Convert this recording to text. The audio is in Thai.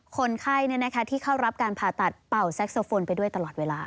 คนไข้ที่เข้ารับการผ่าตัดเป่าแซ็กโซโฟนไปด้วยตลอดเวลา